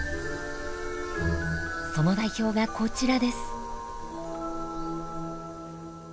その代表がこちらです。